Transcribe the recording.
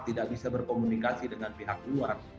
tidak bisa berkomunikasi dengan pihak luar